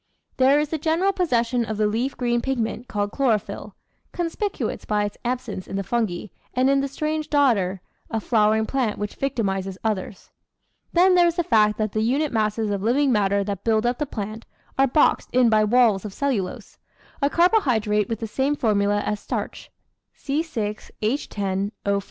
There is the general possession of the leaf green pigment called chloro phyll, conspicuous by its absence in the fungi and in the strange dodder, a flowering plant which victimises others. Then there is the fact that the unit masses of living matter that build up the plant are boxed in by walls of cellulose a carbohydrate with the same formula as starch (Ce Hio Os).